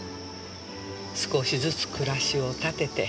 少しずつ暮らしを立てて。